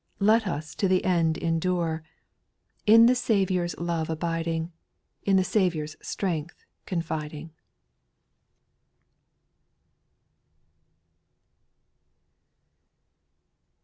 Let us to the end endure, In the Saviour's love abiding, In the Saviour's strength confiding.